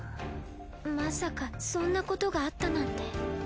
まさかそんなことがあったなんて。